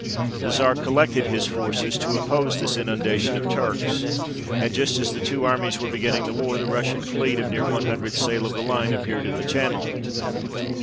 The Czar collected his forces to oppose this inundation of Turks ; and just as the two armies were beginning the war, the Russian fleet of near one hundred sail of the line appeared in the Channel.